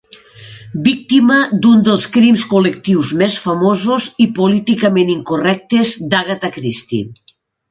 Víctima d'un dels crims col·lectius més famosos i políticament incorrectes d'Agatha Christie.